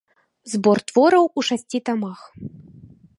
Збор твораў у шасці тамах.